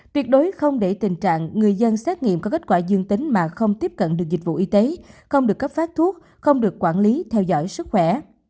tuyệt đối không để tình trạng người dân xét nghiệm có kết quả dương tính mà không tiếp cận được dịch vụ y tế không được cấp phát thuốc không được quản lý theo dõi sức khỏe